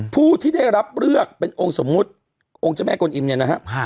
ผู้ที่ได้รับเลือกเป็นองค์สมมุติองค์เจ้าแม่กลอิมเนี่ยนะครับ